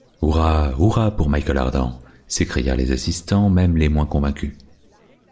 Hurrah! hurrah pour Michel Ardan ! s’écrièrent les assistants, même les moins convaincus.